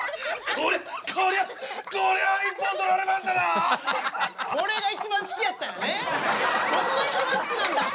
ここが一番好きなんだ。